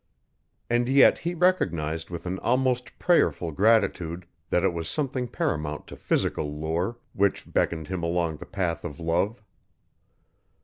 And yet he recognized with an almost prayerful gratitude that it was something paramount to physical lure, which beckoned him along the path of love.